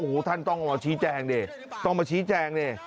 โอ้โหท่านต้องออกมาชี้แจงดิต้องมาชี้แจงดิ